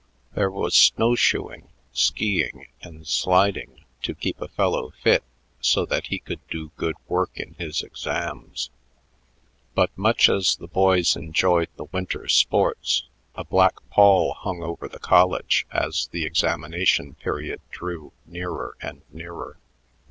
There was snow shoeing, skiing, and sliding "to keep a fellow fit so that he could do good work in his exams," but much as the boys enjoyed the winter sports, a black pall hung over the college as the examination period drew nearer and nearer.